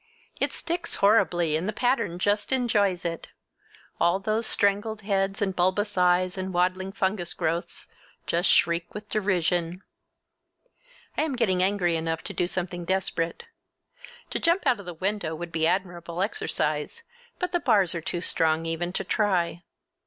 It sticks horribly and the pattern just enjoys it! All those strangled heads and bulbous eyes and waddling fungus growths just shriek with derision! I am getting angry enough to do something desperate. To jump out of the window would be admirable exercise, but the bars are too strong even to try.